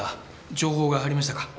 情報が入りましたか？